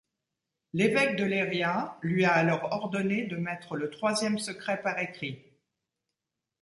L'évêque de Leiria, lui a alors ordonné de mettre le troisième secret par écrit.